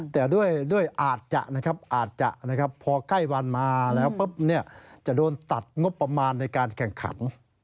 แต่ด้วยอาจจะนะครับอาจจะพอใกล้วันมาแล้วปุ๊บจะโดนตัดงบประมาณในการแข่งขัน